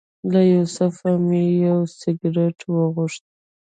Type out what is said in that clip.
له یوسف مې یو سګرټ وغوښت.